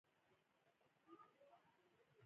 که اساسي اصول وای، واکمن به نه بدلولای.